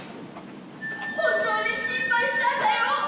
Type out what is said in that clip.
本当に心配したんだよ」